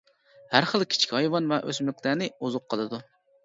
ھەر خىل كىچىك ھايۋان ۋە ئۆسۈملۈكلەرنى ئوزۇق قىلىدۇ.